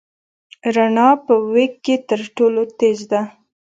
رڼا په وېګ کې تر ټولو تېز ده.